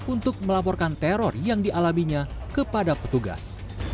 untuk melaporkan teror yang dialaminya kepada petugas